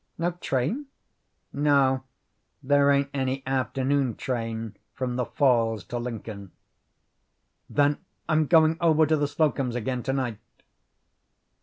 "No train?" "No; there ain't any afternoon train from the Falls to Lincoln." "Then I'm going over to the Slocums' again to night."